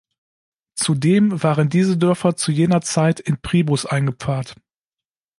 Zudem waren diese Dörfer zu jener Zeit in Priebus eingepfarrt.